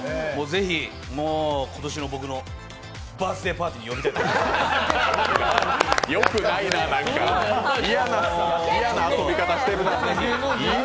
ぜひ、もう今年の僕のバースデーパーティーに呼びたい。